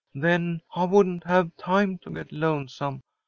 Then I wouldn't have time to get lonesome.